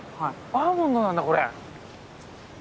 アーモンドなんだこれ。